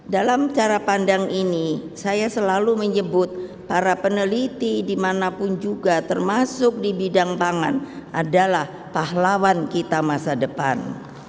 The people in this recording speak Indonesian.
dalam cara pandang ini saya selalu menyebut para peneliti dimanapun juga termasuk di bidang pangan adalah pahlawan kita masa depan